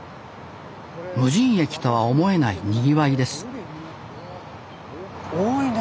無人駅とは思えないにぎわいです多いね